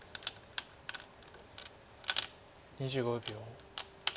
２５秒。